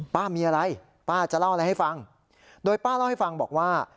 ป้ามีอะไรป้าจะเล่าอะไรให้ฟังโดยป้าเล่าให้ฟังบอกว่า